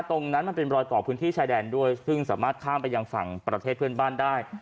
มันเป็นรอยต่อพื้นที่ชายแดนด้วยซึ่งสามารถข้ามไปยังฝั่งประเทศเพื่อนบ้านได้